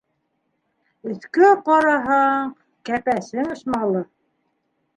Өҫкә ҡараһаң, кәпәсең осмалы.